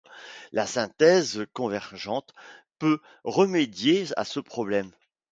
Une synthèse convergente peut remédier à ce problème.